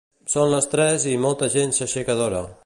Són les tres i molta gent s'aixeca d'hora.